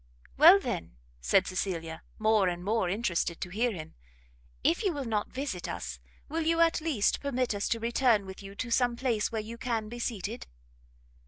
"Well, then," said Cecilia, more and more interested to hear him, "if you will not visit us, will you at least permit us to return with you to some place where you can be seated?"